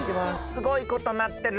すごいことなってる。